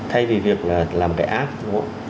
thay vì việc làm cái app